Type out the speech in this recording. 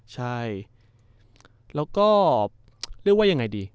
ใช่แล้วก็เรียกว่ายังไงดี